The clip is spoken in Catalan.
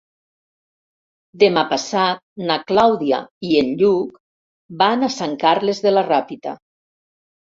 Demà passat na Clàudia i en Lluc van a Sant Carles de la Ràpita.